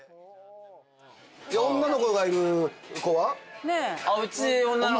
女の子がいる子は？